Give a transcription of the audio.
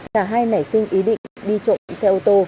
cả hai nảy sinh ý định đi trộm xe ô tô